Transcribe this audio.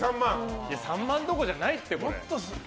３万どころじゃないって。